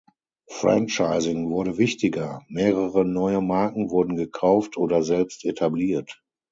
Franchising wurde wichtiger: Mehrere neue Marken wurden gekauft oder selbst etabliert.